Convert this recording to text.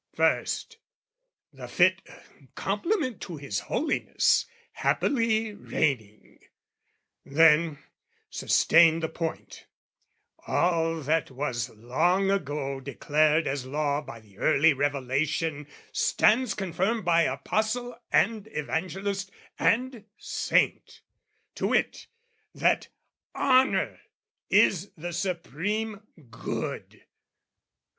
First, the fit compliment to His Holiness Happily reigning: then sustain the point All that was long ago declared as law By the early Revelation, stands confirmed By Apostle and Evangelist and Saint, To wit that Honour is the supreme good.